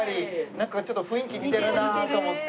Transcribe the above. なんかちょっと雰囲気似てるなと思って。